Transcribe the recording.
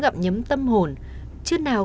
gặm nhấm tâm hồn chứ nào